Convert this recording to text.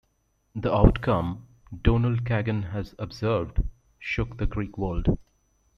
"The outcome," Donald Kagan has observed, "shook the Greek world.